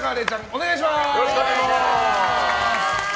お願いします！